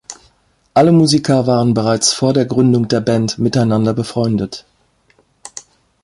Alle Musiker waren bereits vor der Gründung der Band miteinander befreundet.